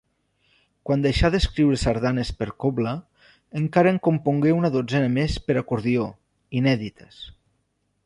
Quan deixà d'escriure sardanes per cobla, encara en compongué una dotzena més per acordió, inèdites.